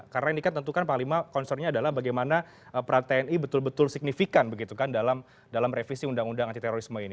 karena ini kan tentukan panglima concernnya adalah bagaimana peran tni betul betul signifikan begitu kan dalam revisi undang undang anti terorisme ini